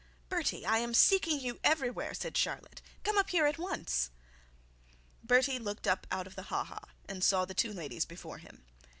'Bertie, I am seeking you everywhere,' said Charlotte. 'Come up here at once.' Bertie looked up out of the ha ha, and saw the two ladies before him.